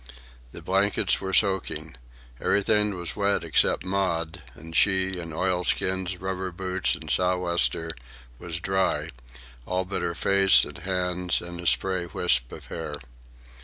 The blankets were soaking. Everything was wet except Maud, and she, in oilskins, rubber boots, and sou'wester, was dry, all but her face and hands and a stray wisp of hair.